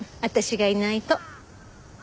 私がいないと。